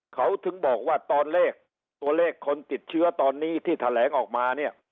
เขาถึงบอกว่าตัวเลขคนติดเชื้อตอนนี้ที่แถลงออกมา